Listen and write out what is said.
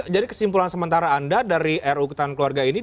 jadi kesimpulan sementara anda dari ru ketahan keluarga ini